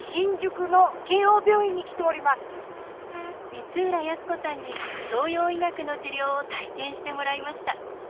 光浦靖子さんに東洋医学の治療を体験してもらいました。